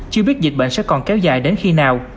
chưa biết dịch bệnh sẽ còn kéo dài đến khi nào